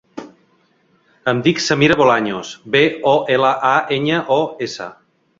Em dic Samira Bolaños: be, o, ela, a, enya, o, essa.